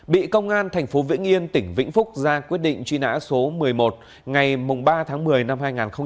bị công an tp vĩnh yên tỉnh vĩnh phúc ra quyết định truy nã số một mươi một ngày ba tháng một mươi năm hai nghìn một mươi ba